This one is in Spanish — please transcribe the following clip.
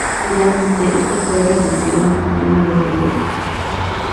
Idealmente esto fue reducido al tamaño de un remolque.